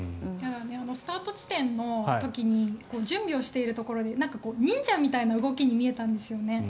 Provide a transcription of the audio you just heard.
スタート地点の時に準備をしているところで忍者みたいな動きに見えたんですよね。